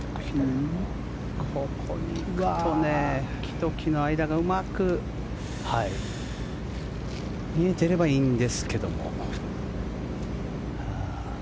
木と木の間が、うまく見えていればいいんですけども。